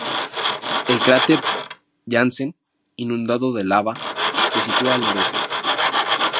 El cráter Jansen, inundado de lava, se sitúa al noreste.